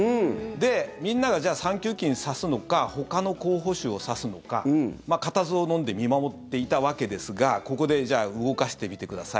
で、みんなが３九金指すのかほかの候補手を指すのかかたずをのんで見守っていたわけですがここで動かしてみてください。